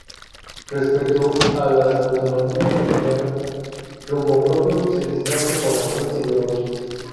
Respecto a las autonomías bolivianas, Rumbo Propio se distancia por razones ideológicas.